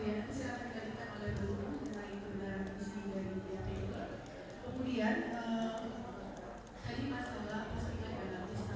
jadi apakah dari terdakwa dua menyampaikan bahwa